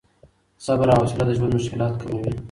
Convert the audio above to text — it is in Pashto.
صبر او حوصله د ژوند مشکلات کموي.